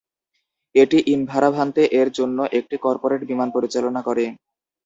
এটি ইনভারাভান্তে এর জন্য একটি কর্পোরেট বিমান পরিচালনা করে।